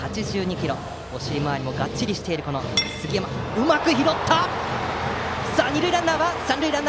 うまく拾った！